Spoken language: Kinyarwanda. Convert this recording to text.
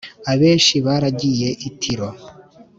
abenshi baragiye itiro